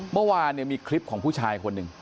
เมื่อวานเนี่ยมีคลิปของผู้ชายคนหนึ่ง